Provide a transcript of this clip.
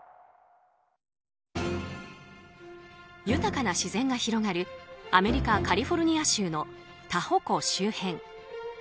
豊かな自然が広がるアメリカ・カリフォルニア州のタホ湖周辺。